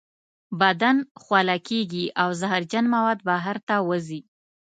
بدن خوله کیږي او زهرجن مواد بهر ته وځي.